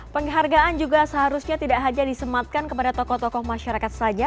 penghargaan juga seharusnya tidak hanya disematkan kepada tokoh tokoh masyarakat saja